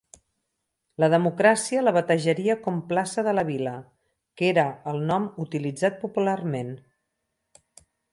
La democràcia la batejaria com plaça de la Vila, que era el nom utilitzat popularment.